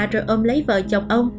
rồi ôm lấy vợ chồng ông